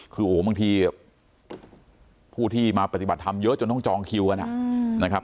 คือโอ้โหบางทีผู้ที่มาปฏิบัติธรรมเยอะจนต้องจองคิวกันนะครับ